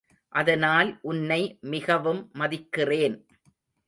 அதனால் உன்னை மிகவும் மதிக்கிறேன்.